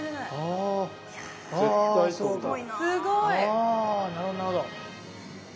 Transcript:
あなるほどなるほど。